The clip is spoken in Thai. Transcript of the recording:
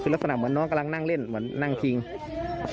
เรื่องนี้หน่อยครับ